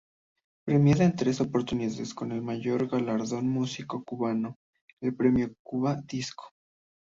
Premiada en tres oportunidades con el mayor galardón músico cubano, el Premio Cuba Disco.